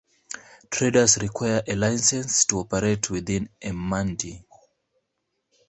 Traders require a license to operate within a mandi.